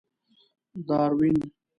داروېن.